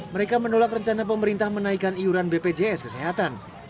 mereka menolak rencana pemerintah menaikkan iuran bpjs kesehatan